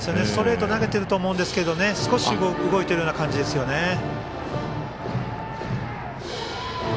ストレートを投げていると思うんですけど少し動いているような感じなんですよね。